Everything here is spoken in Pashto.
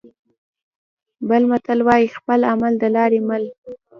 بل متل وايي: خپل عمل د لارې مل.